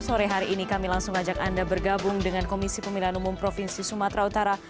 sore hari ini kami langsung ajak anda bergabung dengan komisi pemilihan umum provinsi sumatera utara